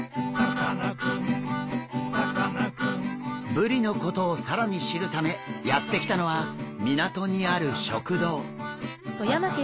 ブリのことを更に知るためやって来たのは港にある食堂。